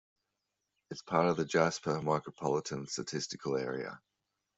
It is part of the Jasper Micropolitan Statistical Area.